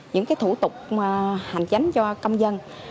những thủ tục hành chính cho công dân